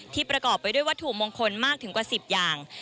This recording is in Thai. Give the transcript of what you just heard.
ประกอบไปด้วยวัตถุมงคลมากถึงกว่า๑๐อย่าง